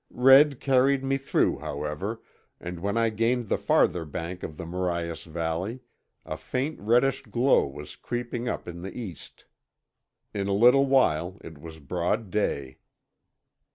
Red carried me through, however, and when I gained the farther bank of the Marias Valley a faint reddish glow was creeping up in the east. In a little while it was broad day.